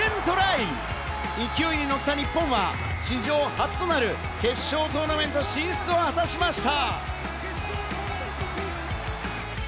勢いに乗った日本は史上初となる決勝トーナメント進出を果たしました。